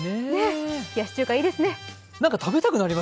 冷やし中華、いいですね。